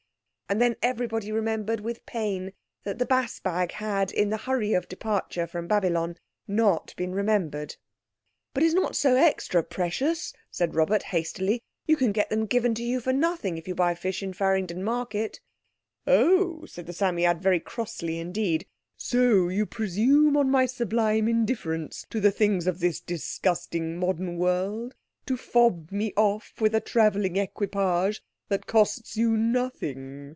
And then everybody remembered with pain that the bass bag had, in the hurry of departure from Babylon, not been remembered. "But it's not so extra precious," said Robert hastily. "You can get them given to you for nothing if you buy fish in Farringdon Market." "Oh," said the Psammead very crossly indeed, "so you presume on my sublime indifference to the things of this disgusting modern world, to fob me off with a travelling equipage that costs you nothing.